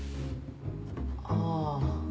ああ。